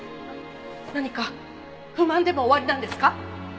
何か不満でもおありなんですか？